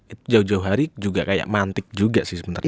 itu jauh jauh hari juga kayak mantik juga sih sebenarnya